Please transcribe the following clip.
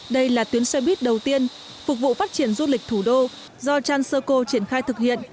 đây là tuyến xe buýt đầu tiên phục vụ phát triển du lịch thủ đô do transurco triển khai thực hiện